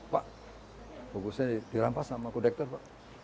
pak buku saya dirampas sama pundektur pak